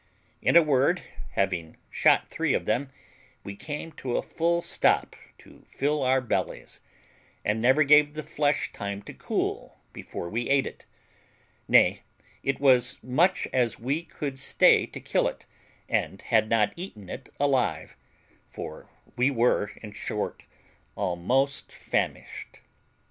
In a word, having shot three of them, we came to a full stop to fill our bellies, and never gave the flesh time to cool before we ate it; nay, it was much we could stay to kill it and had not eaten it alive, for we were, in short, almost famished.